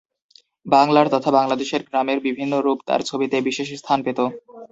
বাংলার তথা বাংলাদেশের গ্রামের বিভিন্ন রূপ তার ছবিতে বিশেষ স্থান পেত।